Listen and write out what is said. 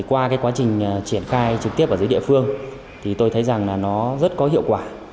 qua quá trình triển khai trực tiếp ở dưới địa phương tôi thấy rằng nó rất có hiệu quả